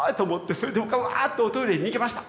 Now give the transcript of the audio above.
それで僕はうわぁとおトイレに逃げました。